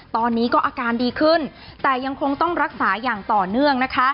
ตอนนี้ก็อาการดีขึ้นแต่ยังคงต้องรักษาอย่างต่อเนื่องนะคะ